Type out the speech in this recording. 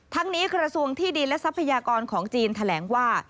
ทั้งนี้กระทรวงที่ดินและทรัพยากรของจีนแถลงว่า